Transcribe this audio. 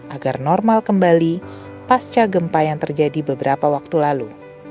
agar normal kembali pasca gempa yang terjadi beberapa waktu lalu